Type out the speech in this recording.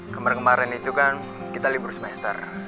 kemarin kemarin itu kan kita libur semester